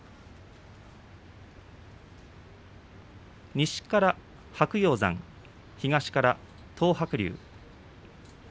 西から白鷹山東から東白龍。